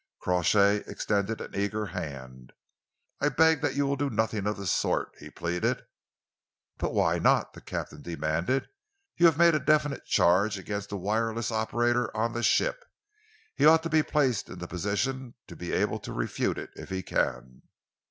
Crawshay extended an eager hand. "I beg that you will do nothing of the sort," he pleaded. "But why not?" the captain demanded. "You have made a definite charge against a wireless operator on the ship. He ought to be placed in the position to be able to refute it if he can."